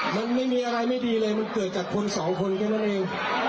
มันไม่มีอะไรไม่ดีเลยมันเกิดจากคนสองคนแค่นั้นเอง